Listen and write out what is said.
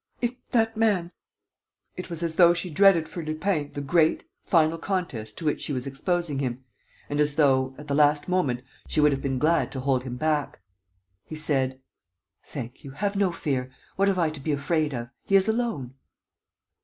"If that man ..." It was as though she dreaded for Lupin the great, final contest to which she was exposing him and as though, at the last moment, she would have been glad to hold him back. He said: "Thank you, have no fear. What have I to be afraid of? He is alone."